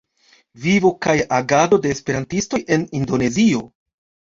Vivo kaj agado de esperantistoj en Indonezio".